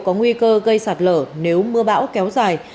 có nguy cơ gây sạt lở nếu mưa bão kéo dài